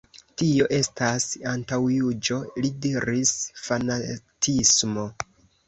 Tio estas antaŭjuĝo li diris, fanatismo.